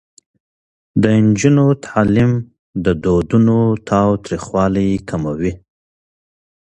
د نجونو تعلیم د ودونو تاوتریخوالی کموي.